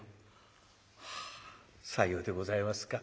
「さようでございますか。